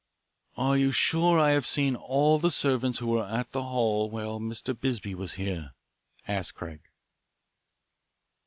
"Are you sure I have seen all the servants who were at the hall while Mr. Bisbee was here" asked Craig.